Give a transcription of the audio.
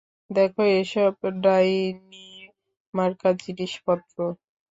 দেখ এসব ডাইনিমার্কা জিনিসপত্র।